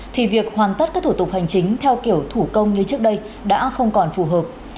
thì việc hoàn tất các thủ tục hành chính theo kiểu thủ công như trước đây đã không còn phù hợp